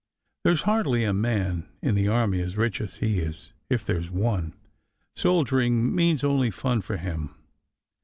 There s hardly a man in the army as rich as he is, if there s one. Soldiering means only fun for him.